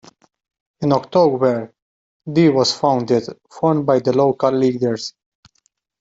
In October, the was founded, formed by local leaders.